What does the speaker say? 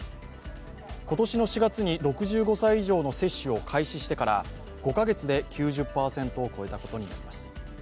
今年の４月に６５歳以上の接種を開始してから５カ月で９０％を超えたことになります。